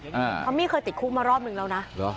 อ่าทอมมี่เคยจิดคู่มารอบหนึ่งแล้วนะหรอ